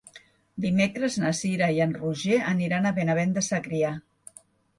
Dimecres na Cira i en Roger aniran a Benavent de Segrià.